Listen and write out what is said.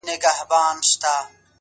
نور په ما مه کوه هوس راپسې وبه ژاړې!!